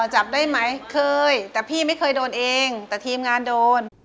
จับได้ไหมเคยแต่พี่ไม่เคยโดนเองแต่ทีมงานโดน